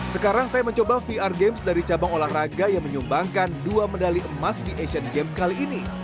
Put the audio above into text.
sekarang saya mencoba vr games dari cabang olahraga yang menyumbangkan dua medali emas di asian games kali ini